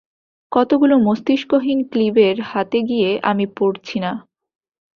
কতকগুলো মস্তিষ্কহীন ক্লীবের হাতে গিয়ে আমি পড়ছি না।